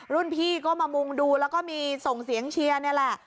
รุ่นพี่ก็มามุงดูแล้วก็มีส่งเสียงเชียร์นี่แหละ